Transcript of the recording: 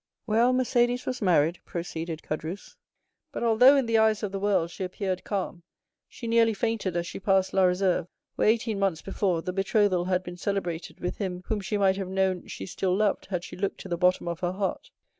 "Well, Mercédès was married," proceeded Caderousse; "but although in the eyes of the world she appeared calm, she nearly fainted as she passed La Réserve, where, eighteen months before, the betrothal had been celebrated with him whom she might have known she still loved, had she looked to the bottom of her heart.